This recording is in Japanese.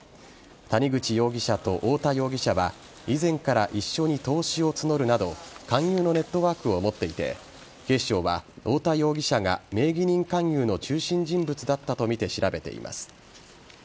谷口容疑者と太田容疑者は以前から一緒に投資を募るなど勧誘のネットワークを持っていて警視庁は太田容疑者が名義人勧誘の中心人物だったとみて調べています。